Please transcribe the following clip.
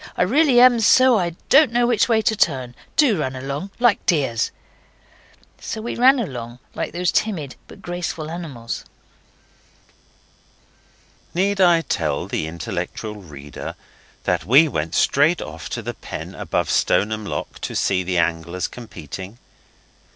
I really am so I don't know which way to turn. Do run along, like dears.' So we ran along like these timid but graceful animals. Need I tell the intellectual reader that we went straight off to the pen above Stoneham Lock to see the anglers competing?